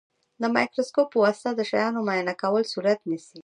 د مایکروسکوپ په واسطه د شیانو معاینه کول صورت نیسي.